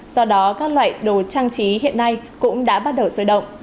do đó các loại đồ trang trí hiện nay cũng đã bắt đầu sôi động